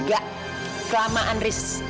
nggak kelamaan ris